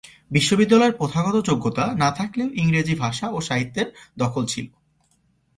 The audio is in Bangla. বিশ্ববিদ্যালয়ের প্রথাগত যোগ্যতা না থাকলেও ইংরেজি ভাষা ও সাহিত্যের দখল ছিল।